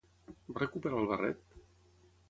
Va recuperar el barret?